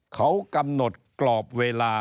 เขากำหนดกรอบเวลา